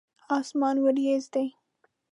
اسمان وريځ دی.